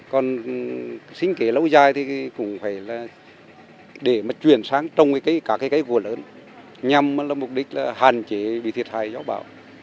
còn sinh kế lâu dài thì cũng phải là để mà chuyển sang trồng cây các cái cây gỗ lớn nhằm mục đích là hạn chế bị thiệt hại do bão